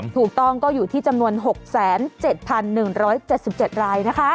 ถูกต้องก็อยู่ที่จำนวน๖๗๑๗๗รายนะคะ